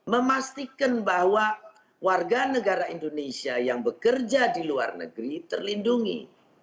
memastikan bahwa warga negara indonesia yang bekerja di luar negeri terlindungi